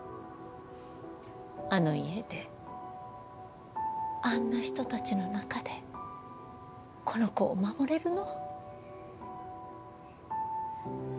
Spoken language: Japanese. あの家であんな人たちの中でこの子を守れるの？